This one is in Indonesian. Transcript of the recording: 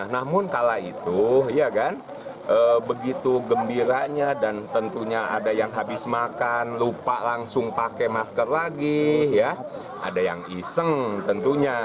namun kala itu ya kan begitu gembiranya dan tentunya ada yang habis makan lupa langsung pakai masker lagi ada yang iseng tentunya